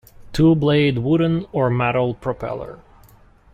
Two-blade wooden or metal propeller.